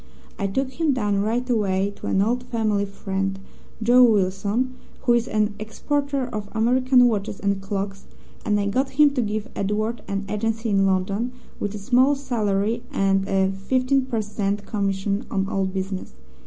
I took him down right away to an old family friend, Joe Willson, who is an exporter of American watches and clocks, and I got him to give Edward an agency in London, with a small salary and a 15 per cent commission on all business.